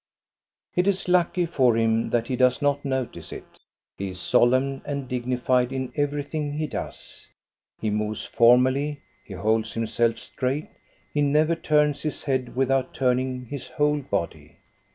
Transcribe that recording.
It is lucky for him that he does not notice it. He is solemn and dignified in everything he does. He moves formally, he holds himself straight, he never turns his head without turning his whole body.